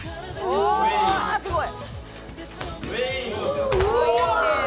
「うわすごい！」